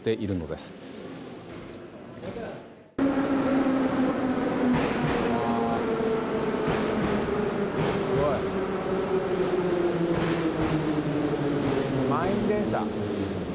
すごい、満員電車。